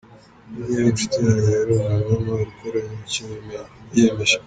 Willy yari inshuti yanjye, yari umuntu w’amahoro, ukora icyo yiyemeje.